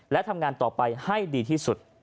และทำงานต่อไปให้ดีที่สุด